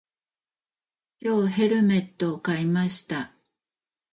今日、ヘルメットを買いました。